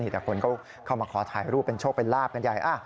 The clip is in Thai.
แต่คนก็เข้ามาขอถ่ายรูปเป็นโชคเป็นลาบกันใหญ่